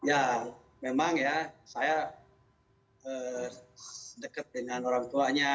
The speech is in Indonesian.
ya memang ya saya dekat dengan orang tuanya